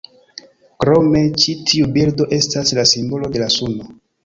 Krome, ĉi tiu birdo estas la simbolo de la suno.